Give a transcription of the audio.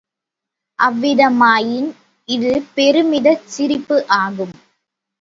அவ்விதமாயின் இது பெருமிதச் சிரிப்பு ஆகும்.